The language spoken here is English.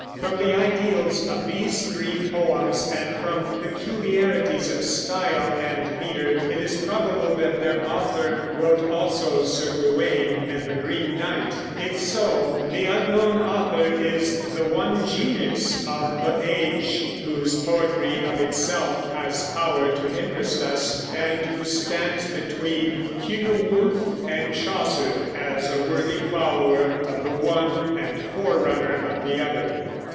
From the ideals of these three poems, and from peculiarities of style and meter, it is probable that their author wrote also Sir Gawain and the Green Knight. If so, the unknown author is the one genius of the age whose poetry of itself has power to interest us, and who stands between Cynewulf and Chaucer as a worthy follower of the one and forerunner of the other.